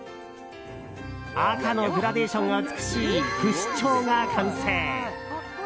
赤のグラデーションが美しい不死鳥が完成。